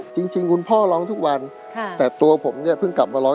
จริงจริงคุณพ่อร้องทุกวันค่ะแต่ตัวผมเนี้ยเพิ่งกลับมาร้อง